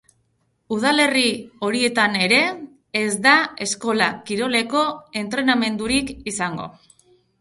Udalerri horietan ere, ez da eskola-kiroleko entrenamendurik izango.